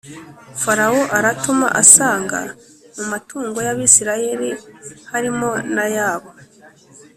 Farawo aratuma asanga mu matungo y Abisirayeli harimo nayabo